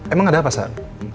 emang ada apa sar